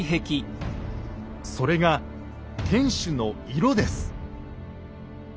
それが天主の色です。